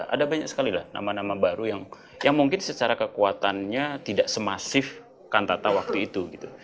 ada banyak sekali lah nama nama baru yang mungkin secara kekuatannya tidak semasif kantata waktu itu